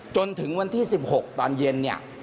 จนถึงวันที่๑๖ตอนเย็น